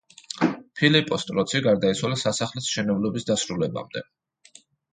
ფილიპო სტროცი გარდაიცვალა სასახლის მშენებლობის დასრულებამდე.